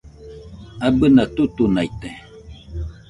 Abɨna tutunaite